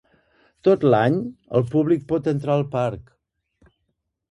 Tot l'any el públic pot entrar al parc.